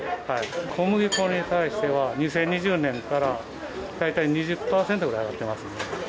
小麦粉に関しては、２０２０年から大体２０％ぐらい上がってます。